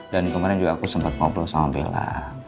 dan kemarin juga aku sempet ngobrol sama bella